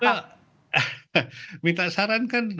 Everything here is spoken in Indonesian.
minta saran kan orang yang dari berasal dari latar belakang berbeda